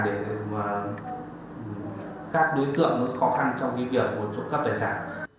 để các đối tượng có khó khăn trong việc trộm cắp tài sản